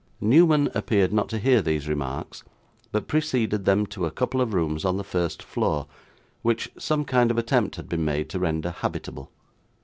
Newman appeared not to hear these remarks, but preceded them to a couple of rooms on the first floor, which some kind of attempt had been made to render habitable.